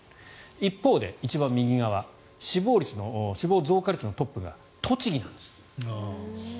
一方で一番右側死亡増加率のトップが栃木なんです。